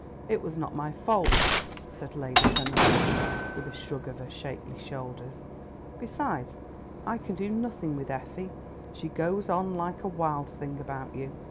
"It was not my fault," said Lady Honoria with a shrug of her shapely shoulders. "Besides, I can do nothing with Effie. She goes on like a wild thing about you."